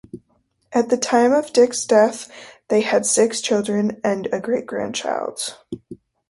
At the time of Dicke's death they had six grandchildren and a great grandchild.